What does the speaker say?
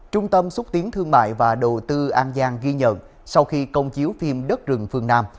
trung tâm xúc tiến thương mại và đầu tư an giang ghi nhận sau khi công chiếu phim đất rừng phương nam